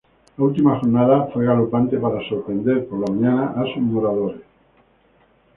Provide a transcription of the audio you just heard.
La última jornada fue galopante para sorprender, por la mañana, a sus moradores.